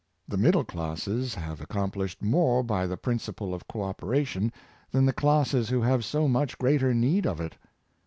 The middle classes have accomplished more by the principle of co operation than the classes who have so much greater need of it.